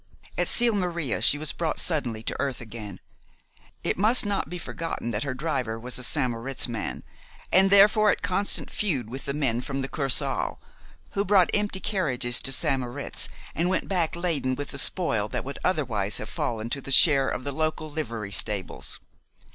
At Sils Maria she was brought suddenly to earth again. It must not be forgotten that her driver was a St. Moritz man, and therefore at constant feud with the men from the Kursaal, who brought empty carriages to St. Moritz, and went back laden with the spoil that would otherwise have fallen to the share of the local livery stables.